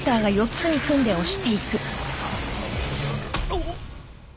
あっ！